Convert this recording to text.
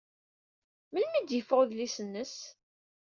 Melmi ay d-yeffeɣ udlis-nnes?